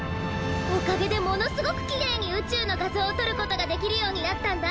おかげでものすごくきれいにうちゅうのがぞうをとることができるようになったんだ！